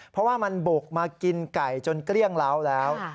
เพราะว่ามันบุกมากินไก่จนเกลี้ยงเหล้าแล้ว